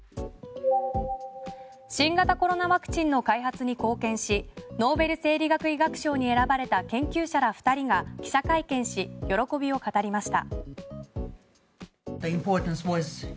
新型コロナワクチンの開発に貢献しノーベル生理学医学賞に選ばれた研究者ら２人が記者会見し喜びを語りました。